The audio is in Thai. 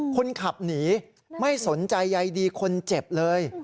คนขับหนีไม่สนใจใยดีคนเจ็บเลย